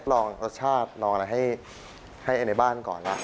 ลองรสชาติลองให้ในบ้านก่อน